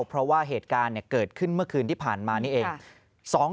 เพราะว่าเหตุการณ์เกิดขึ้นเมื่อคืนที่ผ่านมานี่เอง